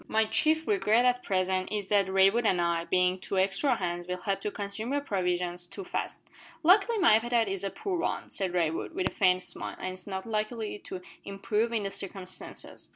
"My chief regret at present is that Raywood and I, being two extra hands, will help to consume your provisions too fast." "Luckily my appetite is a poor one," said Raywood, with a faint smile; "and it's not likely to improve in the circumstances."